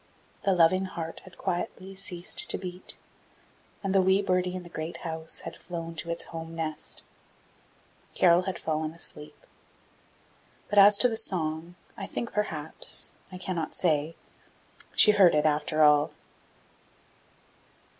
The loving heart had quietly ceased to beat and the "wee birdie" in the great house had flown to its "home nest." Carol had fallen asleep! But as to the song, I think perhaps, I cannot say, she heard it after all!